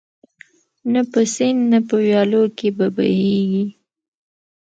نه په سیند نه په ویالو کي به بهیږي